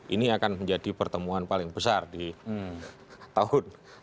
ini akan menjadi pertemuan paling besar di tahun dua ribu dua puluh